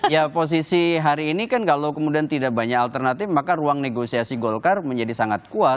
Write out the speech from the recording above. ya posisi hari ini kan kalau kemudian tidak banyak alternatif maka ruang negosiasi golkar menjadi sangat kuat